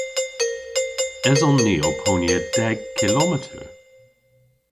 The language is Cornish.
Eson ni ow ponya deg kilometer?